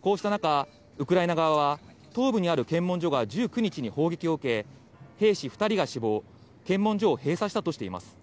こうした中、ウクライナ側は、東部にある検問所が１９日に砲撃を受け、兵士２人が死亡、検問所を閉鎖したとしています。